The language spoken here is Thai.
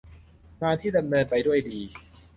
งานที่ดำเนินไปด้วยดี